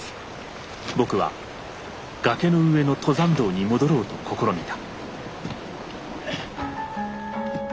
僕は崖の上の登山道に戻ろうと試みた。